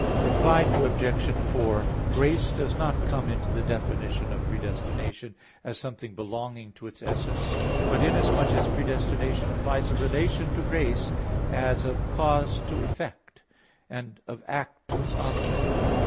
Reply Obj. 4: Grace does not come into the definition of predestination, as something belonging to its essence, but inasmuch as predestination implies a relation to grace, as of cause to effect, and of act to its object.